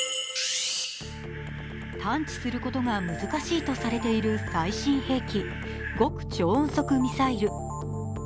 探知することが難しいとされている最新兵器、極超音速ミサイル。